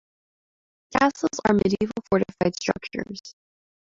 Castles are medieval fortified structures.